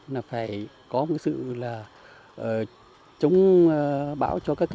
là phải có một sự chống bão cho các tàu bè